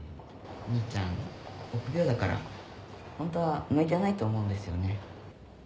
兄ちゃん臆病だからホントは向いてないと思うんですよね。